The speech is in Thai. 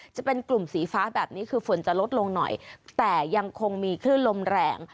จะเป็นกลุ่มสีฟ้าแบบนี้คือฝนจะลดลงหน่อยแต่ยังคงมีคลื่นลมแรง